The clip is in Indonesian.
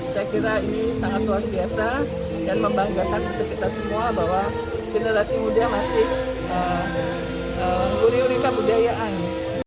saya kira ini sangat luar biasa dan membanggakan untuk kita semua bahwa generasi muda masih uri uri kebudayaan